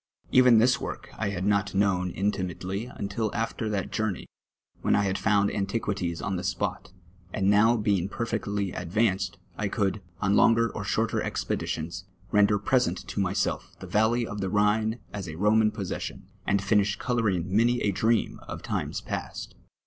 Even this work I had not known inti mately until afti'r that journey, Avhen I had foimd antiquities on the spot, and now being perfectly advanced, I could, on longer or shorter expeditions, render present to myself the valley of the Rhine as a Roman possession, and finish colom ing many a dream of times past.